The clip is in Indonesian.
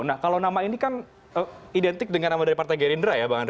nah kalau nama ini kan identik dengan nama dari partai gerindra ya bang andre